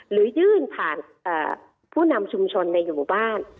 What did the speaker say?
หรือยื่นผ่านผู้นำชุมชนในหมู่บ้าน